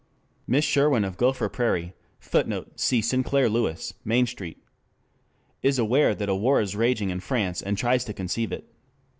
Miss Sherwin of Gopher Prairie, [Footnote: See Sinclair Lewis, Main Street.] is aware that a war is raging in France and tries to conceive it.